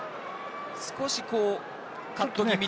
少しカット気味に。